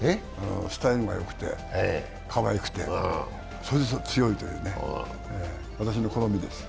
スタイルがよくてかわいくて、それで強いというね、私の好みです。